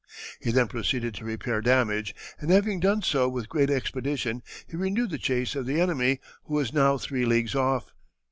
He then proceeded to repair damage, and having done so with great expedition, he renewed the chase of the enemy, who was now three leagues off.